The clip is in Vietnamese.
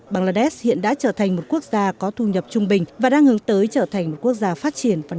bangladesh hiện đã trở thành một quốc gia có thu nhập trung bình và đang hướng tới trở thành một quốc gia phát triển vào năm hai nghìn bốn mươi một